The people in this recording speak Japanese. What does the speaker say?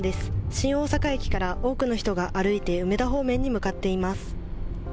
新大阪駅から多くの人が歩いて梅田方面に向かっています。